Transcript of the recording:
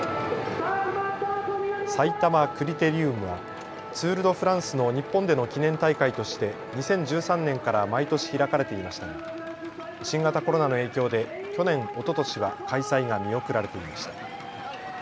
さいたまクリテリウムはツール・ド・フランスの日本での記念大会として２０１３年から毎年、開かれていましたが新型コロナの影響で去年、おととしは開催が見送られていました。